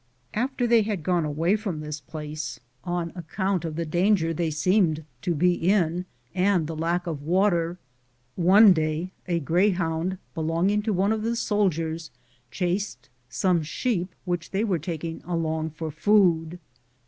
After they had gone away from this place, on account of the danger they seemed to be in and of the lack of water, one day a greyhound belonging to one of the soldiers chased some sheep which they were taking along for food.